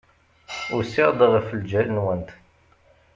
Usiɣ-d ɣef ljal-nwent.